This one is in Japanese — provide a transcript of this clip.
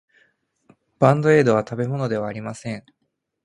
バンドエードは食べ物ではありません。